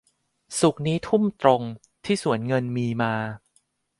ศุกร์นี้ทุ่มตรงที่สวนเงินมีมา